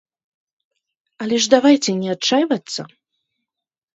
Але ж давайце не адчайвацца.